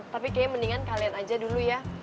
tapi kayaknya mendingan kalian aja dulu ya